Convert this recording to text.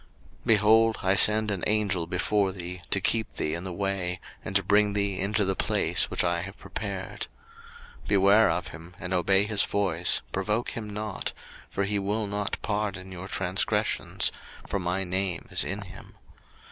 02:023:020 Behold, I send an Angel before thee, to keep thee in the way, and to bring thee into the place which I have prepared. 02:023:021 Beware of him, and obey his voice, provoke him not; for he will not pardon your transgressions: for my name is in him.